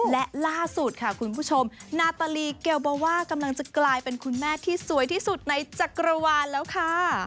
และล่าสุดค่ะคุณผู้ชมนาตาลีเกลโบว่ากำลังจะกลายเป็นคุณแม่ที่สวยที่สุดในจักรวาลแล้วค่ะ